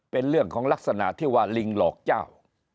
เป็นเรื่องของลักษณะที่ว่าลิงหลอกเจ้า